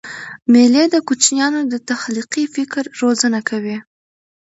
مېلې د کوچنيانو د تخلیقي فکر روزنه کوي.